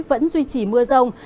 vẫn duy trì mưa rông